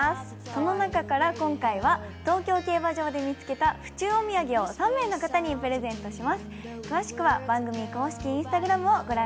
その中から今回は東京競馬場で見つけた府中お土産を３名の方にプレゼントします。